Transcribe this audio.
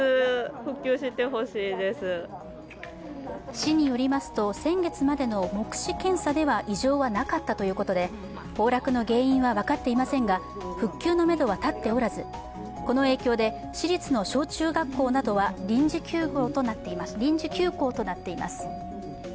市によりますと先月までの目視検査では異常はなかったとのことで崩落の原因は分かっていませんが復旧のめどは立っておらず、この影響で市立の小中学校などは臨時休校となっています。